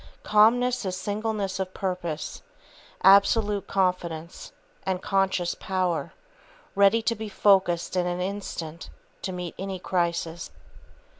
Calmness is singleness of purpose, absolute confidence, and conscious power, ready to be focused in an instant to meet any crisis.